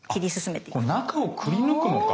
中をくりぬくのか。